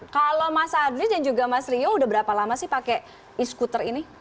kalau mas adri dan juga mas rio udah berapa lama sih pakai e scooter ini